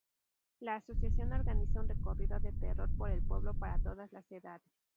La Asociación organiza un recorrido de terror por el pueblo para todas las edades.